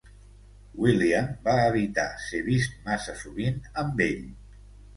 William va evitar ser vist massa sovint amb ell.